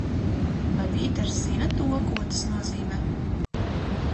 Vai Pīters zina to, ko tas nozīmē?